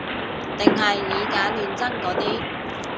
定係以假亂真嗰啲